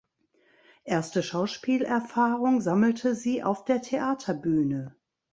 Erste Schauspielerfahrung sammelte sie auf der Theaterbühne.